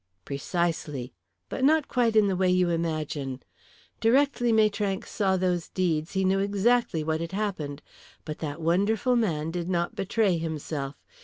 "Precisely. But not quite in the way you imagine. Directly Maitrank saw those deeds he knew exactly what had happened. But that wonderful man did not betray himself.